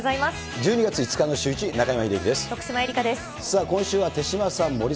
１２月５日のシューイチ、中山秀征です。